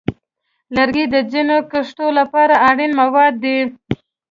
لرګي د ځینو کښتو لپاره اړین مواد دي.